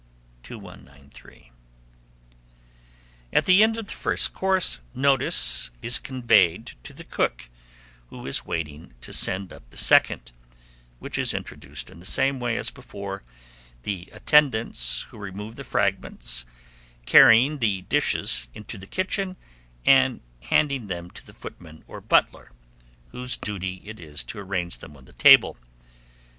2193. At the end of the first course, notice is conveyed to the cook, who is waiting to send up the second, which is introduced in the same way as before; the attendants who remove the fragments, carrying the dishes from the kitchen, and handing them to the footman or butler, whose duty it is to arrange them on the table.